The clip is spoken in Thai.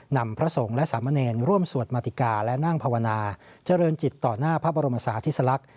พระสงฆ์และสามเณรร่วมสวดมาติกาและนั่งภาวนาเจริญจิตต่อหน้าพระบรมศาธิสลักษณ